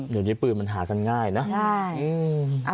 เดี๋ยวนี้ปืนมันหากันง่ายนะ